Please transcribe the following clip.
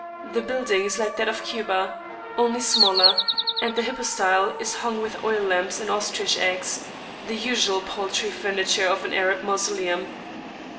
The building is like that of Kuba, only smaller: and the hypostyle is hung with oil lamps and ostrich eggs, the usual paltry furniture of an Arab [p.429]mausoleum.